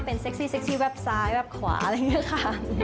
เป็นเซ็กซี่เซ็กซี่แวบซ้ายแวบขวาอะไรอย่างนี้ค่ะ